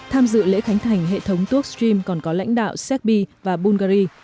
tham dự lễ khánh thành hệ thống tukstream còn có lãnh đạo serbi và bulgari